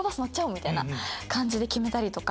みたいな感じで決めたりとか。